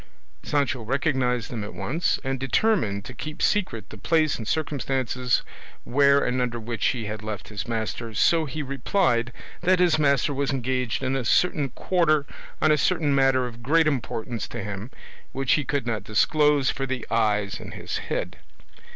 Sancho recognised them at once, and determined to keep secret the place and circumstances where and under which he had left his master, so he replied that his master was engaged in a certain quarter on a certain matter of great importance to him which he could not disclose for the eyes in his head.